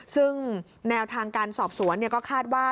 ซึ่งแนวทางการสอบสวนก็คาดว่า